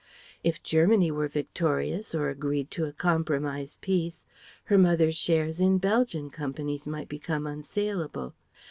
If Germany were victorious or agreed to a compromise peace, her mother's shares in Belgian companies might be unsaleable.